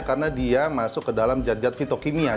karena dia masuk ke dalam jad jad fitokimia